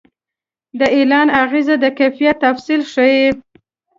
د اعلان اغېز د کیفیت تفصیل ښيي.